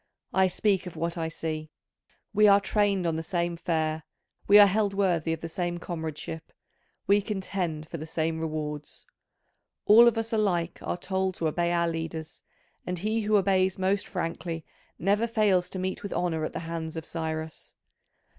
I speak of what I see: we are trained on the same fare; we are held worthy of the same comradeship; we contend for the same rewards. All of us alike are told to obey our leaders, and he who obeys most frankly never fails to meet with honour at the hands of Cyrus.